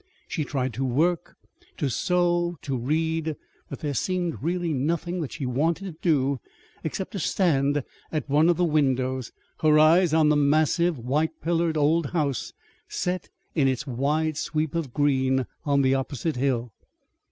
She tried to work, to sew, to read. But there seemed really nothing that she wanted to do except to stand at one of the windows, her eyes on the massive, white pillared old house set in its wide sweep of green on the opposite hill.